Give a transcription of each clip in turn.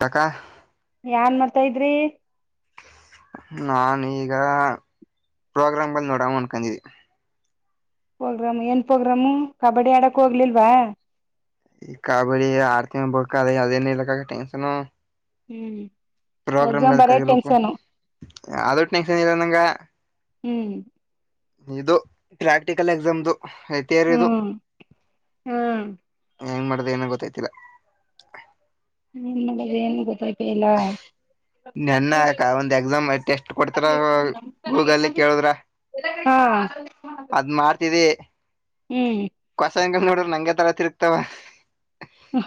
ತಕಾ [unintelligible] ಯನ್ ಮಾಡತಾ ಇದ್ರಿ ನಾೀಗ ಪ್ರೋಗ್ರಾಮ್ ಬಲ್ಲಿ ನೋಡಂಗ ಅನ್ಕೊಂಡಿದ್ದಿ ಪ್ರೋಗ್ರಾಮ್ ಏನ್ ಪ್ರೋಗ್ರಾಮು ಕಬಡ್ಡಿ ಆಡಕ್ ಹೋಗ್ಲಿಲ್ವಾ ಈ ಕಬಡ್ಡಿ ಆರ್ತಿ ಬ ಅದೇನ ಇಲ್ಲಕ್ಕ ಟೆನ್ಷನ್ ಹ್ಮ್ ಎಕ್ಸಾಮ್ ಬರ ಟೆನ್ಷನ್ ಯಾವದ ಒಟ್ಟು ನಂ ಚಿಲ್ಲ ನಂಗ ಹ್ಮ್ ನೀದು ಪ್ರಾಕ್ಟಿಕಲ್ ಎಕ್ಸಾಮ್ದು ಥಿಯರಿದು ಹ್ಮ್ ಹ್ಮ್ ಹೆಂಗ್ ಮಾಡ್ದ ಏನ ಗೊತ್ತೈತಿಲ್ಲ ಹನ್ ನಡ ಏನು ಗೊತ್ತಾಯ್ತ ಇಲ್ಲ ನೆನ್ನ ಆಕ ಒಂದ್ ಎಕ್ಸಾಮ್ ಟೆಸ್ಟ್ ಕೊಡ್ತಾರ ಗೂಗಲ್ ಕೇಳುದ್ರ ಹಾ ಅದ್ ಹ್ಮ್ ಸಾಯಕಾಲ ನೋಡ್ರಿ ನಂಗೆ ತರ ತಿರ್ತಾವ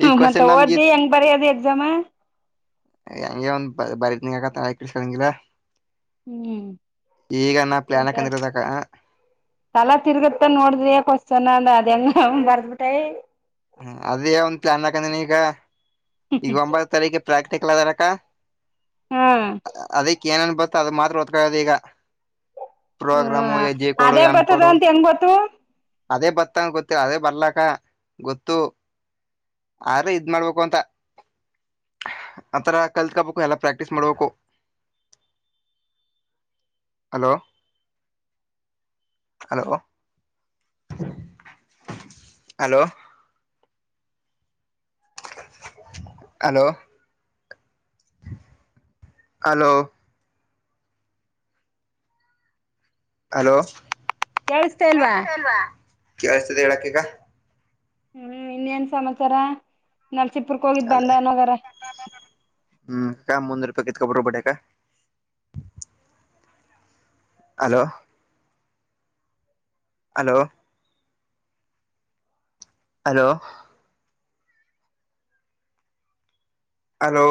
ಹ್ಮ ಮತ್ತ ಓದ್ದಿ ಹೆಂಗ್ ಬರದು ಎಕ್ಸಾಮ ಹೆಂಂಗಗೆ ಒಂದ ಬರೀತ್ನ ಹಾಕತ ಕಳ್ಕಂಗಿಲ್ಲಾ ಹ್ಮ್ ಈಗ ನಾ ಪ್ಲಾನ್ ಹಾಕಂದಿರದಕ್ಕ ತಲಾ ತಿರ್ಗತ್ತ ನೋಡಿದ್ರಿ ಕ್ವಶ್ಚನ ಅಂದ ಅದ ಹೆಂಗ ಬರ್ದಬಿಟೈ ಹ ಅದೇ ಒಂದ ಪ್ಲಾನ್ ಹಾಕಂದ್ರ ಈಗ ಈಗ ಒಂಬತ್ತು ತಾರೀಕ ಪ್ರಾಕ್ ಲವೆರಕ್ಕ ಹಾ ಅದೇ ಏನನ್ ಬತ್ತ ಅದು ಮಾತ್ರ ಹೊತ್ಕೊಳ್ಳೋದು ಈಗ ಪ್ರೋಗ್ರಾಮ ಯ ಜ ಹ ಕೊೋ ಅದೇ ಆಮ ಕೊೋ ಬರ್ತದ ಅಂತ ಹೆಂಗ್ ಗೊತ್ತು ಅದೇ ಬತ್ತಂಗ ಗೊತ್ತಿಲ್ಲ ಅದೇ ಬರ್ಲಕ್ಕ ಗೊತ್ತು ಆದ್ರ ಇದ ಮಾಡ್ಬೇಕು ಅಂತ ಆಥರ ಕಲ್ತ್ಕಬೇಕು ಎಲ್ಲ ಪ್ರಾಕ್ಟೀಸ್ ಮಾಡ್ಬೇಕು hello hello hello hello hello hello ಕೇಳಿಸತಾ ಇಲ್ವಾ ಕವರಿಸ್ತತಿ ಹೇಳಕಗ ಹ್ಮ್ ಇನ್ನೇನ್ ಸಮಾಚಾರ ನರಸಿಪುರ್ಕ ಹೋಗಿದ್ ಅದೇ ಬಂಡನಗಾರ ಹ್ಮ್ ಕ ಮುನ್ನ ರೂಪ ಕಕ ಬರಬಡೆ ಕ hello hello hello hello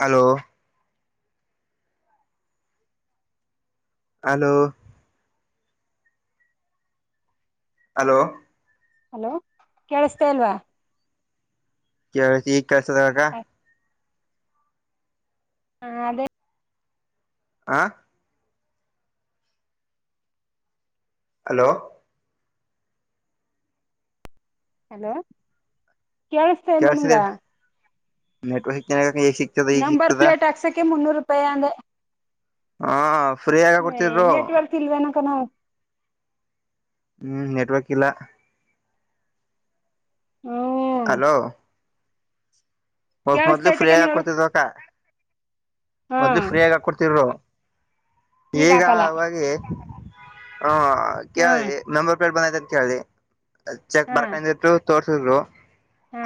hello hello hello hello ಕೇಳಿಸತೇ ಅಲ್ವಾ ಕೆಲ ಕಸಗ ಹ ಹಾ ಅದೇ ಆ ಹಲೋ ಹಲೋ ಕೇಳಸ್ತಮ್ಮ ನಿಂಗ ನೆಟ್ವರ್ ಹಿ ಕೆ ನಂಬರ್ ಪ್ಲೇಟ್ ಹಾಕ್ಸಕ್ಕೆ ಮುನ್ನೂರು ರೂಪಾಯಿ ಅಂದೆ ಹ ಫ್ರೀ ಆಗ ಹ ಕೊಡ್ತಿದ್ರು ನಟವಾರ್ಕ್ ತಿಲ್ವೆನ ಕನ ಹ್ಮ್ ನೆಟ್ವರ್ಕ್ ಇಲ್ಲ ಹ್ಮ ಹಲೋ ಮ ಕೇಳಿಸತಾ ಮೊದ್ಲು ಐತೆ ಕಣ ಫ್ರೀಯಗ ಹೇಳು ಹಾಕೊಡ್ತಿದ್ಕ್ಕ ಹಾ ಮೊದ್ಲು ಫ್ರೀಯಗ ಹಾಕೊಡ್ತಿದರು ಈಗ ಹ್ಮ ಹ್ಮ್ ಕೇಳ್ದಿ ನಂಬರ್ ಪ್ಲೇಟ್ ಬಂದೈತ ಅಂತ ಕೇಳ್ದಿ ಚೆಕ್ ಹಾ ಬರ್ಕಿ ತೋರಿಸರಿಸರು ಹಾ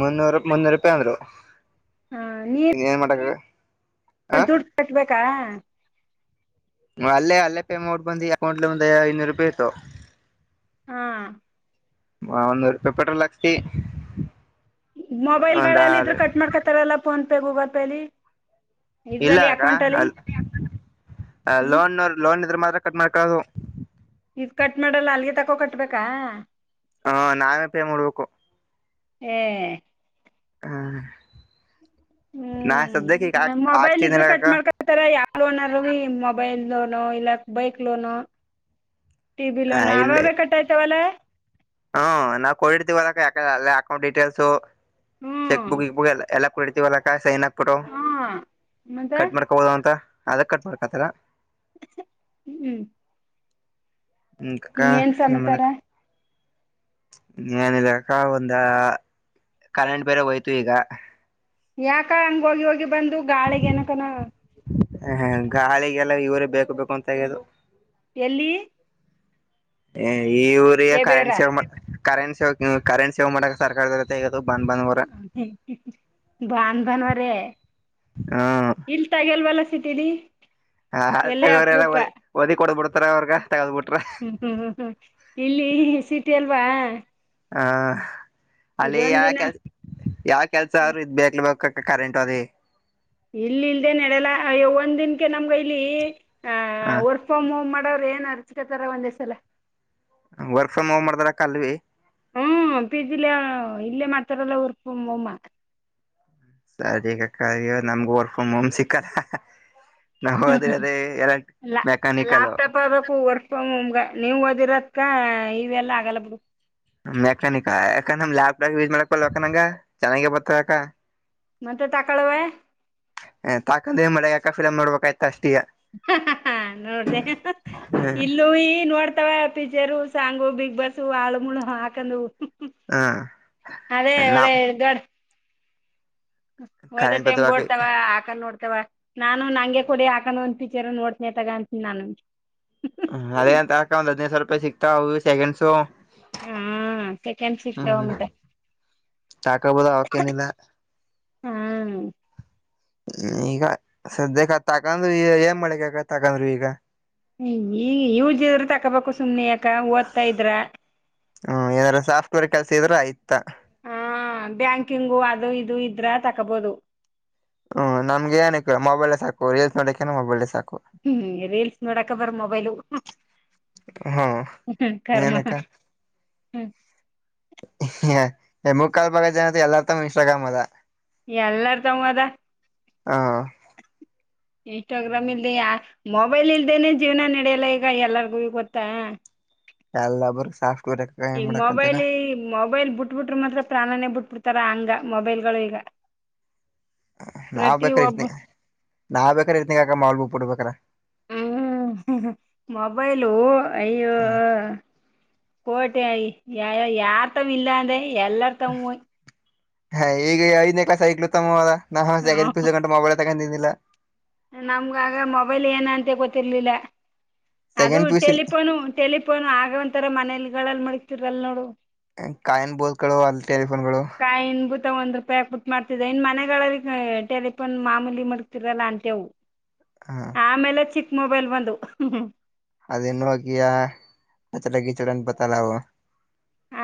ಮುನ್ನೂರು ಮನ್ನೂರು ರೂಪಾಯಿ ಅಂದರು ಇದು ಏನ್ ಮಾಡಕ ಹ ದುಡ್ ಕಟ್ಬೇಕಾ ಅಲ್ಲೇ ಅಲ್ಲೇ ಪೇ ಮಾಡ ಬಂದಿ ಅಕೌಂಟ್ಲ ಒಂದ ಐನೂರು ರೂಪಾಯಿ ಇತತ್ತು ಹಾ ಹ ಒನ್ನೂರು ಪಪಟ್ಟ ಲಾಕ್ತಿ ಮೊಬೈಲ್ಲ್ಲ ಇದ್ರೂ ಕಟ್ ಮಾಡ್ಕೊಳ್ತಾರಲ್ಲ ಫೋನ್ಪೇ ಗೂಗಲ್ ಪೇಲಿ ಇಲ್ಲ ಇದ್ರಲ್ಲಿ ಅ ಅಕೌಂಟ್ ಅಲ್ಲಿ ಅ ಹ್ಮ್ ಲೋನ್ ಲೋನ್ ಇದ್ರ ಮಾ ಕಟ್ ಮಾಡಕಾದು ಇದ್ ಕಟ್ ಮಾಡಲ್ಲ ಅಲ್ಲಿಗೆ ತಕೋ ಕಟ್ಬೇಕಾ ಹಾ ನಾವೇ ಪೇ ಮೂಡ್ಬೇಕು ಹ್ಮ್ ಹ ನಾ ಸದ್ಯಕ್ಕೆ ಈಗ ಹಾಕ್ ಹ್ಮ್ ಮೊಬೈಲ್ ಇದ್ರರು ಕಟ್ ಹಾಕ್ತಿದನಕ್ಕ ಮಾಡ್ಕೊತಾರ ಯಾವ ಓನರ್ ಮೊಬೈಲ್ ಇಲ್ಲ ಬೈಕ್ ಲೋನು ಟಿಬಿ ಹ ಲೋನ್ ಅವ ಇಲ್ಲೇ ಬ ಕಟ್ಟಾಯತವಲ್ಲ ಹ್ಮ ನಾವವು ಕೊಡಿರ್ತೀವಲ್ಲ ಯಾಕಲ್ಲ ಅಕೌಂಟ್ ಡೀಟೇಲ್ಸ್ ಹ್ಞೂ ಚೆಕ್ ಬುಕ್ ಇಕ್ ಬುಕ್ ಎಲ್ಲ ಎಲ್ಲ ಕುಡಿತವಲ್ಲ ಕಾಯ ಸೈನಕ್ಬಿಟ್ಟು ಹಾಂ ಮತ್ತೆ ಕಟ್ ಮಾಡ್ಕೊಬಹದು ಅಂತ ಅದಕ್ ಕಟ್ ಮಾಡ್ಕತಲ್ಲ ಹ್ಮ್ ಹ್ಮ್ ಹಕ್ಕ ಮಲೆ ಸಮಾಚಾರ ನಲೆ ಅಕ್ಕಾ ಒಂದ ಕನ್ನೆಟ ಬೇರೆ ಹೋಯ್ತು ಈಗ ಯಾಕ ಹಂಗ ಹೋಗಿ ಹೋಗಿ ಬಂದು ಗಾಳಿಗ ಏನಕನ ಹ ಹ ಗಾಳಿಗೆಲ್ಲ ಇವರೇ ಬೇಕು ಬೇಕು ಅಂತ ತಗ್ಯದು ಎಲ್ಲಿ ಈ ಊರಿಗೆ ಎಬೇರ ಕರೆಂಟ್ ಸೇವ್ ಮಾಡ ಕರೆಟ್ ಸ ಕರೆಂಟ್ ಸೇವ್ ಮಾಡಕ ಸರ್ಕಾರದತೆಗ ಬನ್ ಬನ್ವರೇ ಹ್ಮ ಇಲ್ ತಗಲ್ವಲ್ಲ ಸಿಟಿ ಹ ತಗೋ್ರ ಎಲ್ಲ ವದಿ ಕೊಡ್ಬಿಡ್ತಾರ ಅವ್ರಗ ತಗದ್ ಬಿಟ್ರ ಹ್ಮ್ ಹ್ಮ್ ಹ್ಮ್ ಹ್ಮ್ ಇಲ್ಲಿ ಸಿಟಿ ಅಲ್ವಾ ಹ ಅಲ್ಲಿ ಯಾವ ಇದೊಂದಿನ ಕೆಲ್ ಯಾವ ಕೆಲ್ಸ ಹ ಅವರು ಇದ್ ಬಕ್ಬೇಕ ಕರೆಂಟ್ ಅದೆೇ ಇಲ್ಲ ಇಲ್ದೆೇ ನಡಲ್ಲ ಅಯ್ಯ ಒಂದ್ ದಿನಕ್ಕೆ ನಮ್ಗ ಇಲ್ಲಿ ಅ ಹ ವರ್ಕ್ ಫ್ರಾಮ್ ಹೋಮ್ ಮಾಡ ನಡ ಅವ್ರರು ಏನ್ ಅರ್ಚ್ಕತಾರ ಒಂದೇಸಲ ವರ್ಕ್ ಫ್ರಮ್ ಹೋಮ್ ಮಾಡ್ದಾರ ಕಲ್ವಿ ಹ್ಮ್ ಪಜಿಲೆ ಇಲ್ಲೇ ಮಾಡತಾರಲ್ಲ ಉರ್ಪಮ್ಮ ಸರಿ ಅಕ್ಕ ನಮ್ಗ ವರ್ಕ್ ಫ್ರಮ್ ಹೋಮ್ ಸಿಕ್ಕಲ್ಲ ನಾವ್ ಹ್ಮ ಓದಿರೋದೇ ಎಲ್ಲ ಮೆಕ್ಯಾನಿಕಲ್ ಲ್ಯಾಪ್ಟಾಪ್ ಆಬೇಕು ವರ್ ಫ್ರಮ್ ನೀವ್ ಓದಿರತ್ಕ ಇವೆಲ್ಲ ಆಗಲ್ಲ ಬಿಡು ಮೆಕ್ಯಾನಿಕಾ ಯಕಂದ್ ಲ್ಯಾಪ್ಟಾಪ್ ಯೂಸ್ ಮಾಡಕಲ್ಲ ಯಕಂಗ ಚೆನ್ನಾಗ ಬರ್ತವೆ ಅಕ ಮತ್ತೆ ತಗೊಳವೆ ಹ ತಾಕದ ಮಳೆ ಯಾಕಫ ಮಾಡ್ಬೇಕಾಯ್ತ ಅಷ್ಟ ಹ ನೋಡ್ದ ಇಲ್ಲೂ ಈ ನೋಡ್ತಾವ ಪಿಚರ್ ಸಾಂಗು ಬಿಗ್ ಬಾಸ್ ಆಳು ಮೂಳ ಹಾಕೊಂಡ ಹ ಅದೇ ನಾ ಒಳ ಗಡ್ ಹೋದ ಕರೆಂಟ್ ಟೈಮ್ ಬತಕಿ ಓಡ್ತವ ಹಾಕನ್ ನೋಡ್ತವ ನಾನು ನಂಗೆ ಕೊಡಿ ಹಾಕ ಟೀಚರ್ ನೋಡ್ತನನೆ ತಗ ಅಂತನಿ ನಾನು ಅದೇ ಅಂತಾ ಒಂದ್ ಹದಿನೈದು ಸಾವಿರ ರೂಪಾಯಿ ಸಿಕ್ತಾವ ಅ ಸೆಕಂಡ್ಸು ಹಾ ಸೆಕೆಂಡ್ ಸಿಕ್ತಗ ಮಟೆ ಚಾಕಾಬದ ಅವಕೆನಿಲ್ಲ ಹಾ ಹ್ಮ ಈಗ ಸದ್ಯಕ್ಕೆ ತಕಂದ್ರು ಈ ಏನ್ ಮಾಡಳಗಕ ತಕಂದ್ರು ಈಗ ಈ ಯುಸ್ ಇರೋದು ತಕೋಬೇಕು ಸುಮನೆ ಹ್ಮ ಏನಾರ ಸಾಫ್ಟ್ವೇರ್ ಕೆಲ್ಸ ಇದ್ರೆ ಆಯ್ತಾ ಹ ಬ್ಯಾಂಕಿಂಗು ಅದು ಇದು ಇದ್ರ ತಕೋಬೋದು ಹ್ಮ್ ನಮ್ ಏನಕ್ಕಿಲ್ಲ ಮೊಬೈಲ್ ಸಾಕು ರೆಲ್ಸ್ ನೋಕ್ಕೇನ ಮೊಬೈಲ್ ಸಾಕು ಹ್ಮ್ ರೀಲ್ಸ್ ನೋಡಾಕ ಬರ ಮೊಬೈಲು ಹಾ ಇನಕ್ಕ ಹ್ಮ್ ಹ ಮುಕ್ಕಾಲ್ ಬಾಗ ಜನ ಎಲ್ಲಾರ್ ತ ಇನ್ಸ್ಟಾಗ್ರಾಮ್ ಅದ ಎಲ್ಲಾರ್ ತಂಗ ಅದ ಹ ಇನ್ಸ್ಟ ಗ್ರಾಮ್ ಇಲ್ದೆ ಯಾರ ಮೊಬೈಲ್ ಇಲ್ದೇನೆ ಜೀವನ ನಡೆಯಲ್ಲ ಈಗ ಎಲ್ಲರಿಗೂ ಗೊತ್ತಾ ಎಲ್ಲಬ್ಬರ ಸಾಫ್ಟ್ವೇರ್ ಹೆಂಗ್ ಈಗ ಮಾಡಕಂತಗ ಮೊಬೈಲ್ ಮೊಬೈಲ್ ಬಿಟ್ಬಿಟ್ರ ಮಾತ್ರ ಪ್ರಾಣನೇ ಬಿಟ್ಟ ಡ್ತಾರ ಹಂಗ ಮೊಬೈಲ್ಗಳು ಈಗ ನಾವ್ ಪ್ರತಿ ಬೇಕ್ರ ಒಬ್ಬ ಇರ್ತನ ನಾವ್ ಬೇಕ್ರ ಇರ್ತನಗ ಅಕ ಮಾಲ್ಬು ಬಿಡ್ಬೇಕೇಕ್ರ ಹ್ಮ್ ಮೊಬೈಲು ಅಯ್ಯೋ ಕ ಮ ಯ ಯಾರ್ಥಾವ ಇಲ್ಲಾ ಅಂದೆ ಎಲ್ಲಾರ್ಥಮ ಹಯ್ ಹಾ ಈಗ ಐದನೇ ಕ್ಲಾಸ್ ಆಗ್ಕ್ಲು ತಮ್ಮ ನಾ ಸೆಕೆಂಡ್ ಪಿಯುಸಿ ಗಂಟ ಮೊಬೈಲ್ ತಗೊಂಡಿದಿಲ್ಲ ನಮ್ಗಗ ಮೊಬೈಲ್ ಏನ ಅಂತ ಗೊತ್ತಿರ್ಲಿಲ್ಲ ಅದು ಸೆಕೆಂಡ್ ಪೀಸ್ ಟಲಿಫೋನು ಟೆಲಿಫೋನು ಆಗ ಒಂತರ ಮನಲಿಲ್ ಮಡಗ್ತಿರಲ್ ನೋಡು ಕಾಯನ್ ಬೋತ ಗಳು ಕಡೋಲ್ಲ ಕಾಯಿ ಇನ್ ಭೂತ ಒಂದ್ ರೂಪಾಯಿಾಕ್ಬ ಬಿಟ್ಟು ಮಾಡ್ತಿದ್ದ ಇನ್ ಮನೆ ಟಲಿಫೋನ್ ಮಾಮೂಲಿ ಮತಿರಲ್ಲ ಅಂತೆವು ಹ ಆಮೇಲೆ ಚಿ ಮೊಬೈಲ್ ಬಂದು ಅದನ್ನುಕಿಯಾ ನಚಲಗಿಚಡನ್ ಪತಲ್ಲವು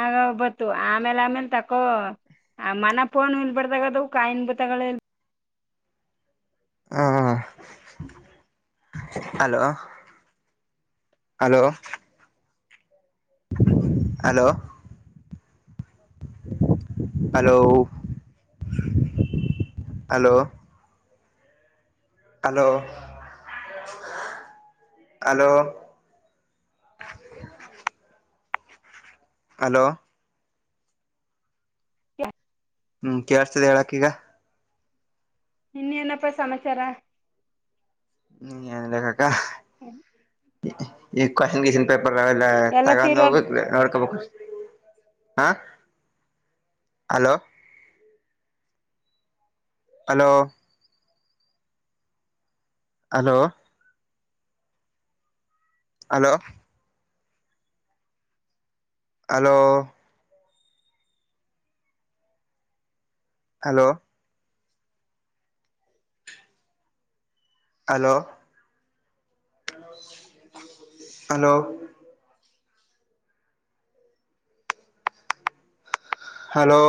ಆಗ ಒಬತ್ತು ಆಮೇಲೆ ಆಮೇಲ್ ತಕ್ಕೋ ಆ ಮನ ಪೋನ್ ಇಲ್ಬಾರ್ದಗದವು ಕಾಯಿನ್ಬ ತಗ ಹ [inaudible] hello hello hello hello hello hello hello ಹ [inaudible] ಹಲೋ ಹ [inaudible] ಹ್ಮ್ ಕೇಳ್ತಸದೆ ಹೇಳಾಕ ಈಗ ಇನ್ನನಪ್ಪ ಸಮಾಚಾರ ಹ್ಮ ಹೇಳ್ಬೇಕು ಅಕ್ಕಾ ಈ ಕ್ವೆಶ್ಚನ್ ಕಷನ್ ಪ ಲ್ಲ ಎಲ್ಲ ತಗೊಂಡ ತೀರೋದ ಹೋಗ ನೋಡ್ ಹಾ hello hello hello hello hello hello hello hello hello